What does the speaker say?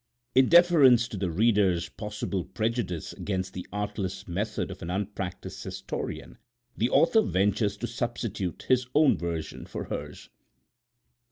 In deference to the reader's possible prejudice against the artless method of an unpractised historian the author ventures to substitute his own version for hers.